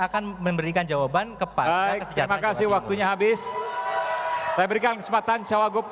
akan memberikan jawaban kepada sejak makasih waktunya habis saya berikan kesempatan cawagup